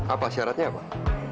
apa syaratnya pak